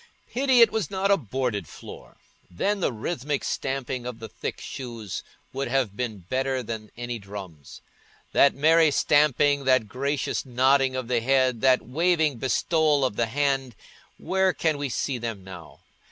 Pity it was not a boarded floor! Then the rhythmic stamping of the thick shoes would have been better than any drums. That merry stamping, that gracious nodding of the head, that waving bestowal of the hand—where can we see them now?